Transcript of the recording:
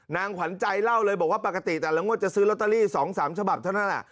ขวัญใจเล่าเลยบอกว่าปกติแต่ละงวดจะซื้อลอตเตอรี่๒๓ฉบับเท่านั้น